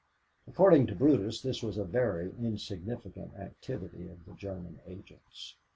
According to Brutus, this was a very insignificant activity of the German agents.